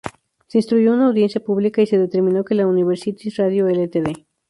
Se instruyó una audiencia pública y se determinó que la Universities Radio Ltd.